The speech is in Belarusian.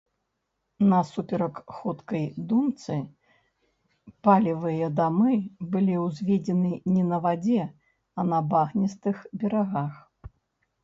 Насуперак ходкай думцы, палевыя дамы былі ўзведзены не на вадзе, а на багністых берагах.